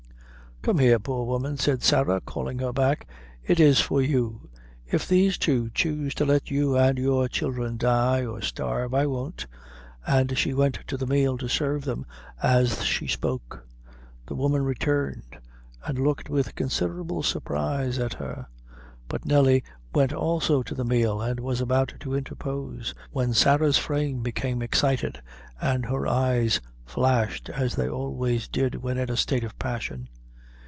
"Come here, poor woman," said Sarah, calling her back; "it is for you. If these two choose to let you and your childhre die or starve, I won't;" and she went to the meal to serve them as she spoke. The woman returned, and looked with considerable surprise at her; but Nelly went also to the meal, and was about to interpose, when Sarah's frame became excited, and her eyes flashed, as they always did when in a state of passion.